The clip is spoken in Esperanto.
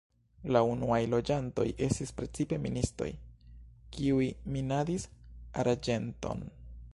La unuaj loĝantoj estis precipe ministoj, kiuj minadis arĝenton.